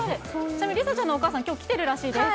ちなみに、梨紗ちゃんのお母さん、きょう来てるらしいです。